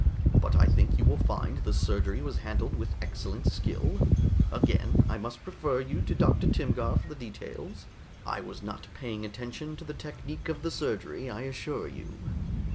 But I think you will find the surgery was handled with excellent skill. Again, I must refer you to Dr. Timgar for the details. I was not paying attention to the technique of the surgery, I assure you."